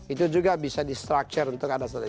itu juga bisa di structure untuk ada strategi